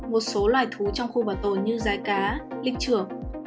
một số loài thú trong khu bảo tồn như rái cá linh trừ